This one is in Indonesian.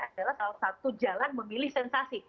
adalah salah satu jalan memilih sensasi